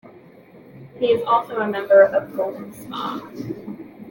He is also a member of Golden Smog.